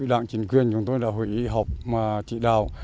các ủy đoạn chính quyền chúng tôi đã hội ý học và trị đào